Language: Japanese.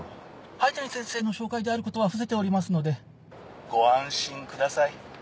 灰谷先生の紹介であることは伏せておりますのでご安心ください。